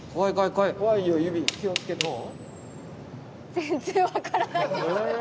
全然分からないです。